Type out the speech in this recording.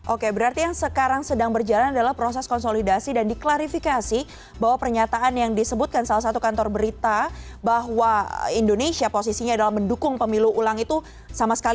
oke berarti yang sekarang sedang berjalan adalah proses konsolidasi dan diklarifikasi bahwa pernyataan yang disebutkan salah satu kantor berita bahwa indonesia posisinya adalah mendukung pemilu ulang itu sama sekali